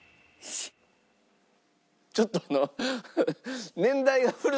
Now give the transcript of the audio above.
ちょっとあの。